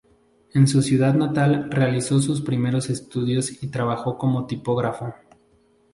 En su ciudad natal realizó sus primeros estudios y trabajó como tipógrafo.